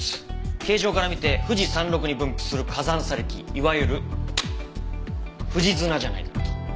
形状から見て富士山麓に分布する火山砂礫いわゆる富士砂じゃないのかと。